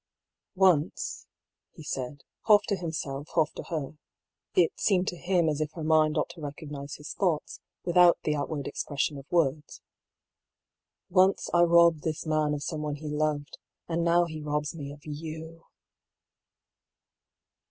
*'Once," he said, half to himself, half to her — ^it seemed to him as if her mind ought to recognise his thoughts without the outward expression of words, —^^ once I robbed this man of someone he loyed ; and now he robs me of you